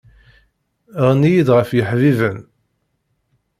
Ɣenni-yi-d ɣef yeḥbiben